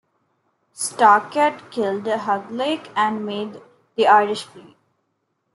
Starkad killed Hugleik and made the Irish flee.